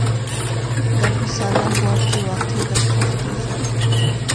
دا په سالنګ واټ کې واقع ده په پښتو ژبه.